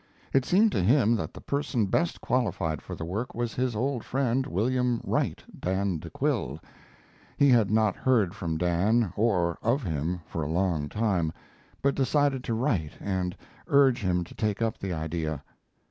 It seemed to him that the person best qualified for the work was his old friend William Wright Dan de Quille. He had not heard from Dan, or of him, for a long time, but decided to write and urge him to take up the idea.